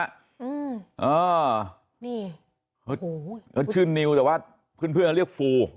เขาขึ้นนิวแต่ว่าเพื่อนเค้าเรียกฟู